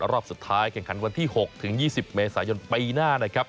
รอบสุดท้ายแข่งขันวันที่๖ถึง๒๐เมษายนปีหน้านะครับ